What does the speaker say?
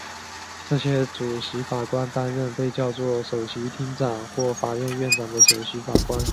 这些主席法官担任被叫作首席庭长或法院院长的首席法官。